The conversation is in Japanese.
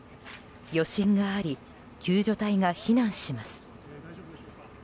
余震があり救助隊が避難します。